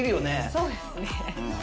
そうですね